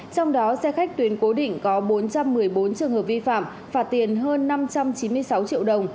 trong đó xe khách tuyến cố định có bốn trăm một mươi bốn trường hợp vi phạm phạt tiền hơn năm trăm chín mươi sáu triệu đồng